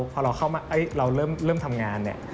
พอเราเริ่มทำงานเนี่ย